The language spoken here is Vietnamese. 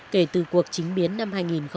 kể từ cuộc chính biến năm hai nghìn một mươi